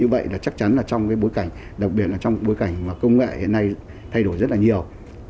và chắc chắn là trong bối cảnh đặc biệt là trong bối cảnh công nghệ hiện nay thay đổi rất là nhiều